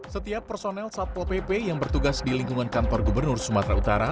setiap personel satpol pp yang bertugas di lingkungan kantor gubernur sumatera utara